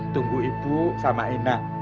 tunggu ibu sama ina